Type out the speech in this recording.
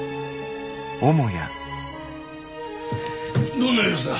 どんな様子だ？